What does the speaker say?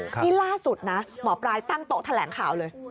นี่ล่าสุดนะหมอปลายตั้งโต๊ะแถลงข่าวเลย